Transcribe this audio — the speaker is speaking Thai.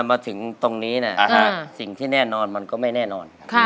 มาถึงตรงนี้สิ่งที่แน่นอนมันก็ไม่แน่นอน